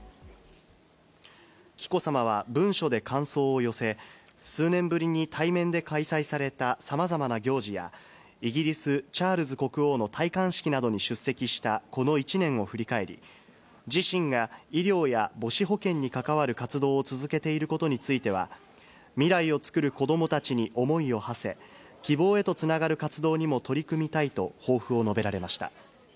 紀子さまは文書で感想を寄せ、数年ぶりに対面で開催されたさまざまな行事や、イギリス、チャールズ国王の戴冠式などに出席したこの１年を振り返り、自身が医療や母子保健に関わる活動を続けていることについては、未来をつくる子どもたちに思いをはせ、希望へとつながる活動にも取り組みたいと、抱負を述べられました。